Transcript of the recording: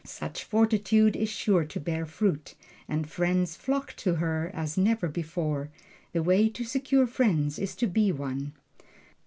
Such fortitude is sure to bear fruit, and friends flocked to her as never before. The way to secure friends is to be one.